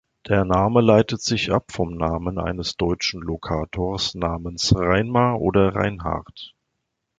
Der Name leitet sich ab vom Namen eines deutschen Lokators namens Reinmar oder Reinhard.